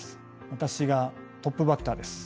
私がトップバッターです。